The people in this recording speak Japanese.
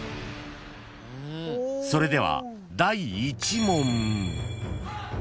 ［それでは第１問］